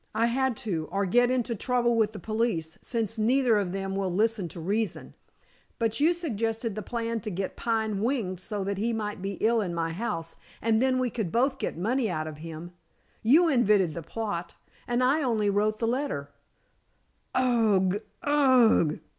I had to, or get into trouble with the police, since neither of them will listen to reason. But you suggested the plan to get Pine winged so that he might be ill in my house, and then we could both get money out of him. You invented the plot, and I only wrote the letter." "Augh! Augh!"